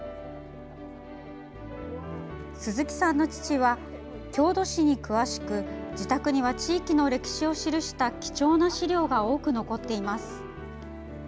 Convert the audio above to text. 鈴木さんの父は郷土史に詳しく自宅には、地域の歴史を記した貴重な資料が多く残っています。